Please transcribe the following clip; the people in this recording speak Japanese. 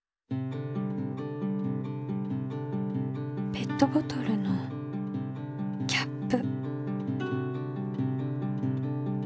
ペットボトルのキャップ。